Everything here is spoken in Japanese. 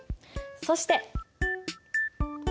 そして！